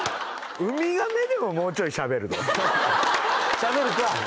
しゃべるか！